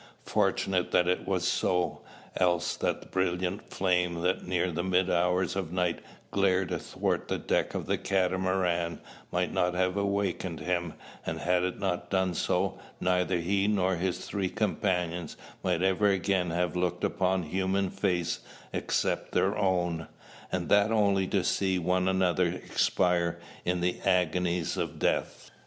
Fortunate that it was so; else that brilliant flame that near the mid hours of night glared athwart the deck of the Catamaran might not have awakened him; and had it not done so, neither he nor his three companions might ever again have looked upon human face except their own, and that only to see one another expire in the agonies of death.